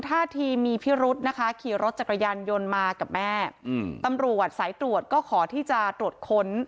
ท่าทีมีพิรุธนะคะขี่รถจักรยานยนต์มากับแม่อืมตำรวจสายตรวจก็ขอที่จะตรวจค้น